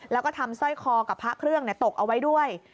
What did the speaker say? แล้วก็ทำสร้อยคอกับพระเครื่องตกเอาไว้ด้วย